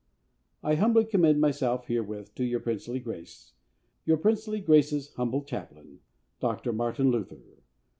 I humbly commend myself herewith to your princely Grace, Your Princely Grace's Humble Chaplain, DR. MARTIN LUTHER.